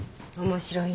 面白い。